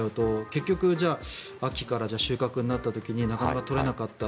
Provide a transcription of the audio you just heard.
結局、秋から収穫になった時になかなか取れなかった。